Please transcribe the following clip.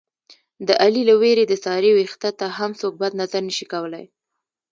د علي له وېرې د سارې وېښته ته هم څوک بد نظر نشي کولی.